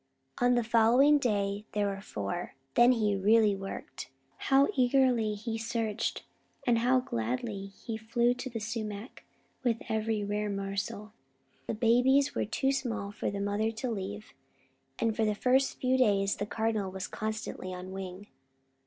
On the following day there were four. Then he really worked. How eagerly he searched, and how gladly he flew to the sumac with every rare morsel! The babies were too small for the mother to leave; and for the first few days the Cardinal was constantly on wing.